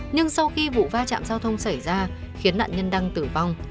nhưng sau khi vụ va chạm giao thông xảy ra khiến nạn nhân đăng tử vong